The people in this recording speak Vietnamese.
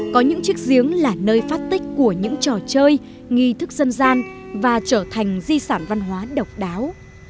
có những chiếc giếng là nơi phát tích của những trò chơi nghi thức dân gian và trở thành di sản văn hóa độc đáo